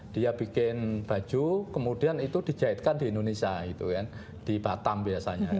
dia bikin baju kemudian itu dijahitkan di indonesia di batam biasanya